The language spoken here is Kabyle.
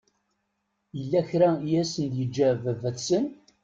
Yella kra i asen-d-yeǧǧa baba-tsen?